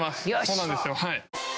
そうなんですよはい。